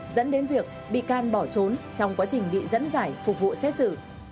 dẫn đến việc bị can bỏ trốn trong quá trình bị dẫn giải phục vụ xét xử